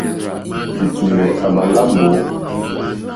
Ɛ̀tùlɛ̀ á mā lá mbǒ.